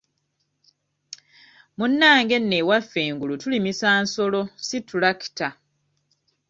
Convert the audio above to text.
Munnange nno ewaffe engulu tulimisa nsolo si tulakita.